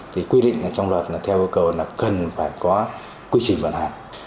thì quy định trong luật là theo cầu là cần phải có quy trình vận hành